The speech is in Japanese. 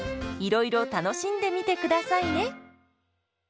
いろいろ楽しんでみてくださいね。